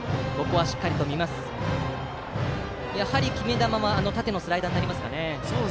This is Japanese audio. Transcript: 決め球は縦のスライダーになりますかね。